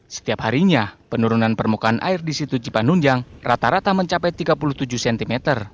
setiap harinya penurunan permukaan air di situ cipanunjang rata rata mencapai tiga puluh tujuh cm